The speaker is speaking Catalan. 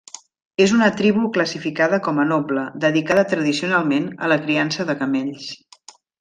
És una tribu classificada com a noble, dedicada tradicionalment a la criança de camells.